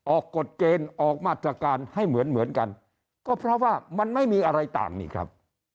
กฎเกณฑ์ออกมาตรการให้เหมือนเหมือนกันก็เพราะว่ามันไม่มีอะไรต่างนี่ครับ